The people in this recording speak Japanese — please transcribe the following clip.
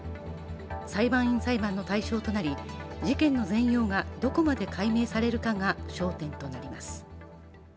裁判員裁判の対象となり事件の全容がどこまで解明されるかが焦点となります。